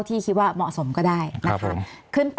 มีความรู้สึกว่ามีความรู้สึกว่า